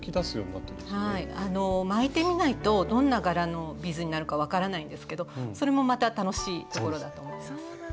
巻いてみないとどんな柄のビーズになるか分からないんですけどそれもまた楽しいところだと思います。